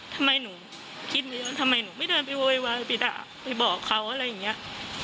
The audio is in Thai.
ทำไมหนูสิมีเขื่อทำไมหนูไม่เพิ่งจะเวลาไปวัยวายไปบอกเขาอะไรอย่างเนี้ย